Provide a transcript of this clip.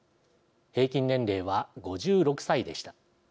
平均年齢は５６歳でした。